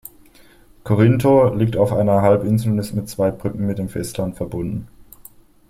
Corinto liegt auf einer Halbinsel und ist mit zwei Brücken mit dem Festland verbunden.